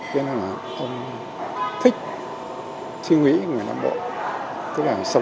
vìana là ông thích suy nghĩ người đồng bộ chính là sống hào sản